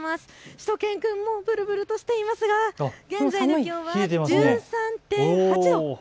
しゅと犬くんもうぶるぶるとしていますが現在の気温は１３．８度。